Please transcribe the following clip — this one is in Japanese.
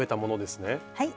はい。